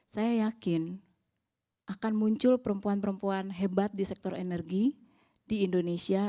saya yakin akan muncul perempuan perempuan hebat di sektor energi di indonesia